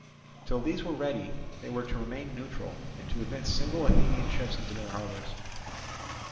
Till these were ready they were to remain neutral and to admit single Athenian ships into their harbours.